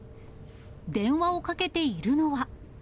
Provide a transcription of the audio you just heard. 電話をかけているのは。